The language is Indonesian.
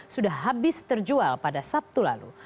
sudah habis terjual pada sabtu lalu